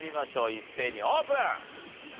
一斉にオープン！